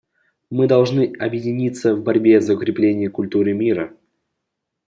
Мы должны объединиться в борьбе за укрепление культуры мира.